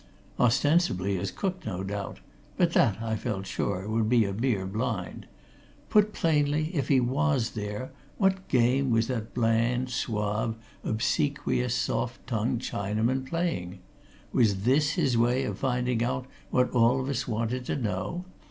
Ostensibly, as cook, no doubt but that, I felt sure, would be a mere blind. Put plainly, if he was there, what game was that bland, suave, obsequious, soft tongued Chinaman playing? Was this his way of finding out what all of us wanted to know?